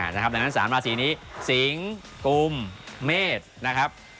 นะครับดังนั้น๓ลาสีนี้สิงค์อุ่มเมษนะครับ